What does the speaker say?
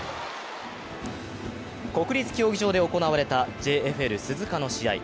国立競技場で行われたＪＦＬ・鈴鹿の試合。